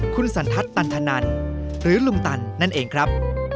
คุณสันทัศน์ตันธนันหรือลุงตันนั่นเองครับ